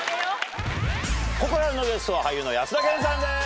ここからのゲストは俳優の安田顕さんです。